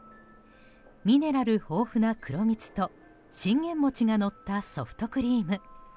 ミネラル豊富な黒蜜と信玄餅がのったソフトクリーム。